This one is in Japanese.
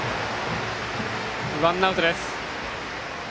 ワンアウトです。